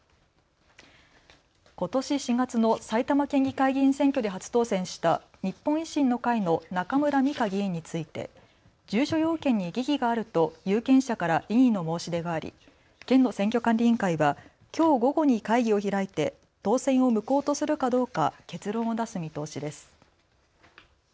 ことし４月の埼玉県議会議員選挙で初当選した日本維新の会の中村美香議員について住所要件に疑義があると有権者から異議の申し出があり県の選挙管理委員会はきょう午後に会議を開いて当選を無効とするかどうか結論を出す見通しです。